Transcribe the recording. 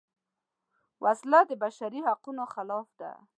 وسله د بشري حقونو خلاف ده